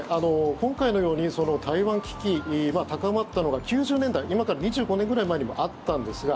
今回のように台湾危機、高まったのが９０年代今から２５年くらい前にもあったんですが